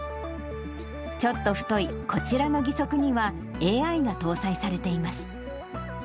ちょっと太いこちらの義足にはＡＩが搭載されています。